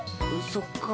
そっか。